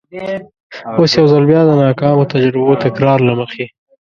اوس یو ځل بیا د ناکامو تجربو تکرار له مخې.